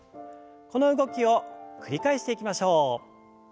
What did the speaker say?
この動きを繰り返していきましょう。